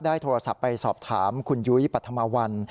โทรศัพท์ไปสอบถามคุณยุ้ยปัธมวัล